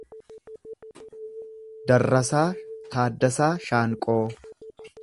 Darrasaa Taaddasaa Shaanqoo